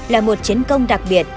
là một chiến công đặc biệt